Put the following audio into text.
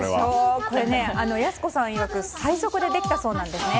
これ、やす子さんいわく最速でできたそうなんですね。